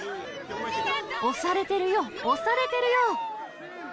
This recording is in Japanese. おされてるよ、押されてるよ！